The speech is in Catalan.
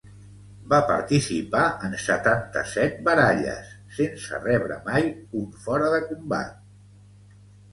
Va participar en setanta-set baralles sense rebre mai un fora de combat.